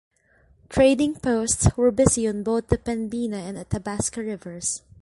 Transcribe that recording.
Trading posts were busy on both the Pembina and Athabasca rivers.